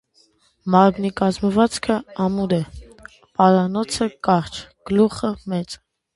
Մարմնի կազմվածքը ամուր է, պարանոցը՝ կարճ, գլուխը՝ մեծ։